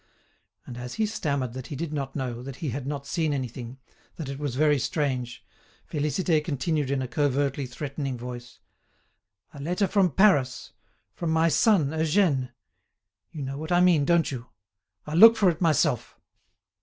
And as he stammered that he did not know, that he had not seen anything, that it was very strange, Félicité continued in a covertly threatening voice: "A letter from Paris, from my son, Eugène; you know what I mean, don't you? I'll look for it myself."